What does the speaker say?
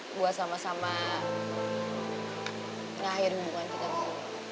buat sama sama mengakhiri hubungan kita dulu